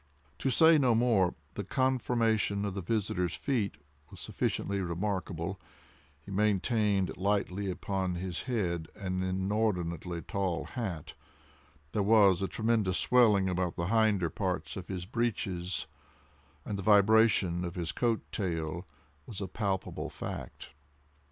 To say no more, the conformation of his visitor's feet was sufficiently remarkable—he maintained lightly upon his head an inordinately tall hat—there was a tremulous swelling about the hinder part of his breeches—and the vibration of his coat tail was a palpable fact.